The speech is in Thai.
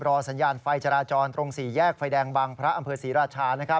สัญญาณไฟจราจรตรง๔แยกไฟแดงบางพระอำเภอศรีราชา